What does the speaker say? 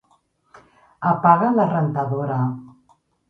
Apaga la rentadora.